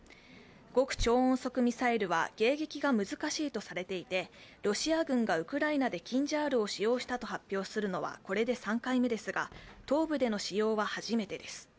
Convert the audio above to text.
極超音速ミサイルは迎撃が難しいとされていてロシア軍がウクライナでキンジャールを使用したと発表するのはこれで３回目ですが東部での使用は初めてです。